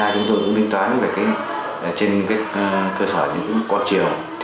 chúng tôi cũng linh toán trên cơ sở những quạt chiều